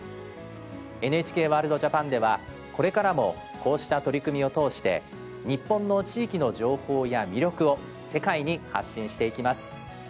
ＮＨＫワールドＪＡＰＡＮではこれからもこうした取り組みを通して日本の地域の情報や魅力を世界に発信していきます。